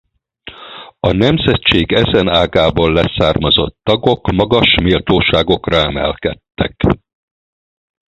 A nemzetség ezen ágából leszármazott tagok magas méltóságokra emelkedtek.